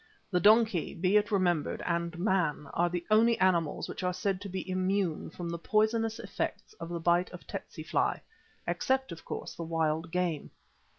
The donkey, be it remembered, and man are the only animals which are said to be immune from the poisonous effects of the bite of tsetse fly, except, of course, the wild game.